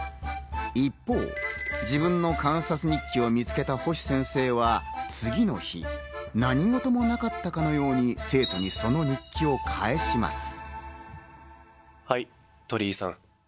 一方、自分の観察日記を見つけた星先生は次の日、何事もなかったかのように、生徒にその日記を返します。